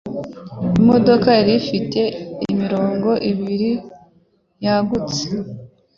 Imodoka yari ifite imirongo ibiri yagutse